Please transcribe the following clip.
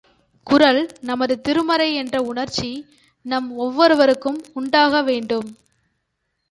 குறள் நமது திருமறை என்ற உணர்ச்சி நம் ஒவ்வொருவருக்கும் உண்டாகவேண்டும்.